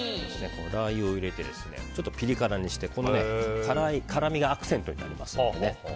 ラー油を入れてちょっとピリ辛にしてこの辛みがアクセントになりますので。